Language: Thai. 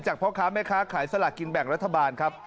พ่อค้าแม่ค้าขายสลากกินแบ่งรัฐบาลครับ